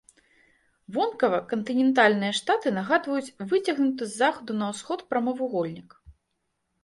Вонкава кантынентальныя штаты нагадваюць выцягнуты з захаду на ўсход прамавугольнік.